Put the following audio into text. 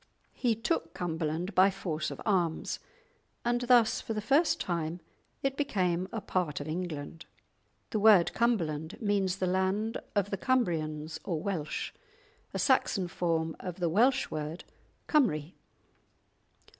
He took Cumberland by force of arms, and thus for the first time it became a part of England (the word "Cumberland" means the land of the Cumbrians or Welsh, a Saxon form of the Welsh word Cymry).